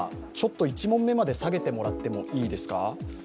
１問目まで下げてもらってもいいですか。